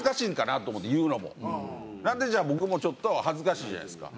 なので僕もちょっと恥ずかしいじゃないですか。